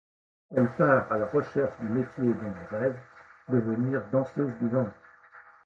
Elle part à la recherche du métier dont elle rêve, devenir danseuse du ventre.